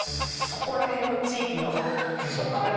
そこら辺の地域。